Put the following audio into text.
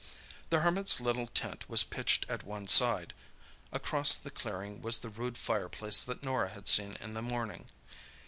The Hermit's little tent was pitched at one side; across the clearing was the rude fireplace that Norah had seen in the morning.